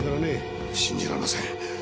信じられません。